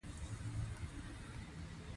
غوښې د افغانانو د تفریح یوه وسیله ده.